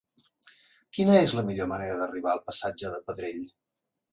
Quina és la millor manera d'arribar al passatge de Pedrell?